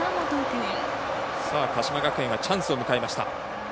鹿島学園はチャンスを迎えました。